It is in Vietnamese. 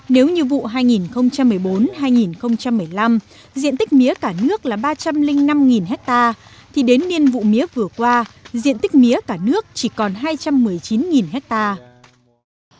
nếu như vụ hai nghìn một mươi bốn hai nghìn một mươi năm diện tích mía cả nước là ba trăm linh năm hectare thì đến niên vụ mía vừa qua diện tích mía cả nước chỉ còn hai trăm một mươi chín hectare